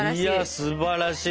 すばらしい。